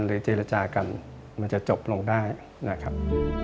เจรจากันมันจะจบลงได้นะครับ